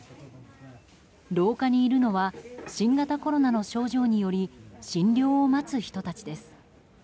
廊下にいるのは新型コロナの症状により診療を待つ人たちです。